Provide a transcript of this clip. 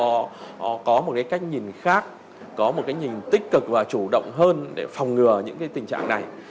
họ có một cái cách nhìn khác có một cái nhìn tích cực và chủ động hơn để phòng ngừa những cái tình trạng này